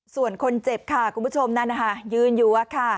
ส่วนคนเจ็บค่ะคุณผู้ชมนั่นนะคะยืนอยู่